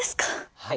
はい。